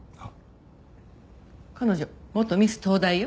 彼女元ミス東大よ。